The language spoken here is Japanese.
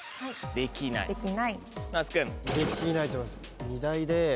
できないと思います。